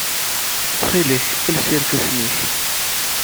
Ttxil-k, els irkasen-nnek.